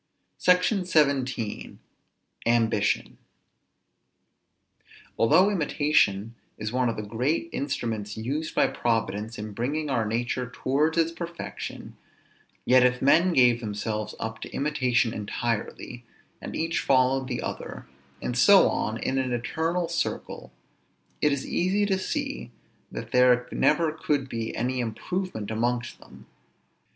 SECTION XVII. AMBITION. Although imitation is one of the great instruments used by Providence in bringing our nature towards its perfection, yet if men gave themselves up to imitation entirely, and each followed the other, and so on in an eternal circle, it is easy to see that there never could be any improvement amongst them.